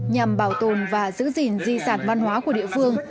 nhằm bảo tồn và giữ gìn di sản văn hóa của địa phương